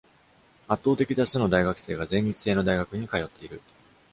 圧倒的多数の大学生が全日制の大学に通っている。